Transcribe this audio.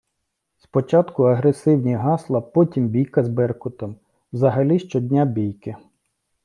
Спочатку агресивні гасла, потім бійка з Беркутом, взагалі щодня бійки.